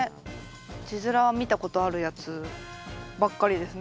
字面は見たことあるやつばっかりですね。